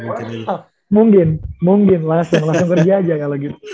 mungkin mungkin langsung kerja aja kalau gitu